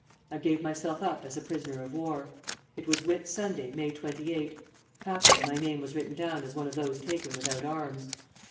I gave myself up as a prisoner of war. It was Whit Sunday, May 28. Happily my name was written down as one of those taken without arms.